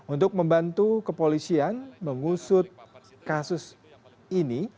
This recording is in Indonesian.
untuk membantu kepolisian mengusut kasus ini